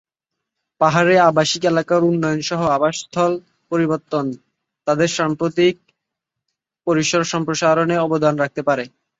পাহাড়ে আবাসিক এলাকার উন্নয়ন সহ আবাসস্থল পরিবর্তন, তাদের সাম্প্রতিক পরিসর সম্প্রসারণে অবদান রাখতে পারে।